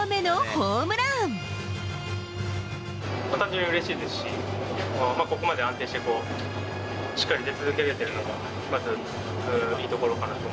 単純にうれしいですし、ここまで安定してしっかり出続けられているのが、まずいいところかなと。